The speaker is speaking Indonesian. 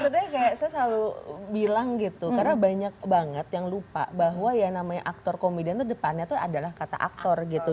maksudnya kayak saya selalu bilang gitu karena banyak banget yang lupa bahwa ya namanya aktor komedian itu depannya tuh adalah kata aktor gitu